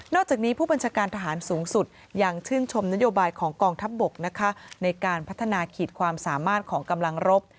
จากนี้ผู้บัญชาการทหารสูงสุดยังชื่นชมนโยบายของกองทัพบกนะคะในการพัฒนาขีดความสามารถของกำลังรบ